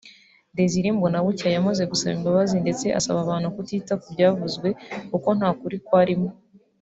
Desire Mbanabucya yamaze gusaba imbabazi ndetse asaba abantu kutita ku byavuzwe kuko nta kuri kwarimo